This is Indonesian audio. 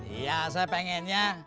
iya saya pengennya